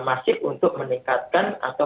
masif untuk meningkatkan atau